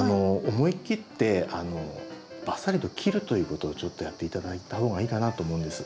思い切ってバッサリと切るということをちょっとやって頂いた方がいいかなと思うんです。